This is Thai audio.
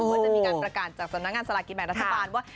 ว่าจะมีการประกาศจากสำนักงานศาลกิจแบบรัฐสะพานว่า